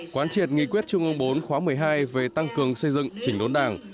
quán triệt nghị quyết trung ương bốn khóa một mươi hai về tăng cường xây dựng chỉnh đốn đảng